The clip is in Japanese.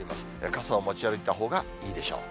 傘を持ち歩いたほうがいいでしょう。